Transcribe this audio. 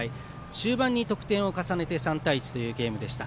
終盤に得点を重ねて３対１というゲームでした。